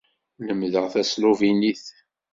Lemmdeɣ tasluvinit.